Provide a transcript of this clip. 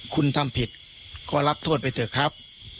คุณทำผิดก็รับโทษไปเถอะครับ